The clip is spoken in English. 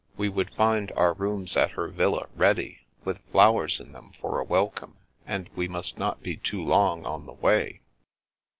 We would find our rooms at her villa ready, with flowers in them for a welcome, and we must not be too long on the way.